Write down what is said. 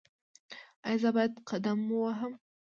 ایا زه باید قدم ووهم؟